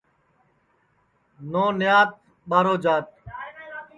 نو نیات ٻارو جات